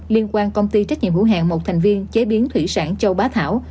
liên quan công ty trách nhiệm hữu hạng một thành viên chế biến thủy sản châu bá thảo